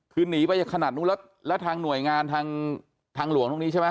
คือหนีไปขนาดนู้นแล้วแล้วทางหน่วยงานทางหลวงตรงนี้ใช่ไหม